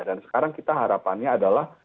dan sekarang kita harapannya adalah